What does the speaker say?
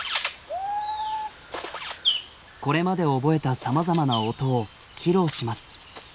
これまで覚えたさまざまな音を披露します。